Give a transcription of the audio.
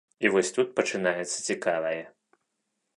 І вось тут пачынаецца цікавае.